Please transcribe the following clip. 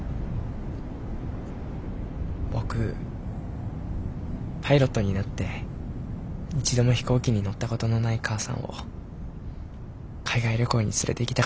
僕パイロットになって一度も飛行機に乗ったことのない母さんを海外旅行に連れていきたかったんだ。